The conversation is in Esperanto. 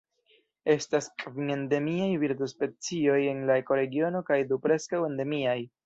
Estas kvin endemiaj birdospecioj en la ekoregiono kaj du preskaŭ endemiaj.